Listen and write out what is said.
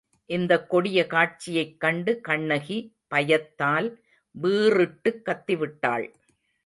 இந்தக் கொடிய காட்சியைக் கண்டு கண்ணகி பயத்தால் வீறிட்டுக் கத்திவிட்டாள்.